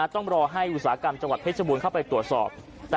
ต้องรอให้อุตสาหกรรมจังหวัดเพชรบูรณ์เข้าไปตรวจสอบ